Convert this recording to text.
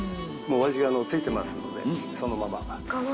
もうお味ついてますのでそのまま。